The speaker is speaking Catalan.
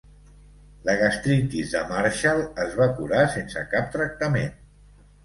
La gastritis de Marshall es va curar sense cap tractament.